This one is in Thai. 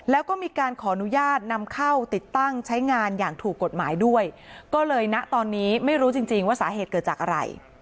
แล้วก็มีการขออนุญาตนำเข้าติดตั้งใช้งานอย่างถูกกฎหมายด้วยก็เลยณตอนนี้ไม่รู้จริงจริงว่าสาเหตุเกิดจากอะไร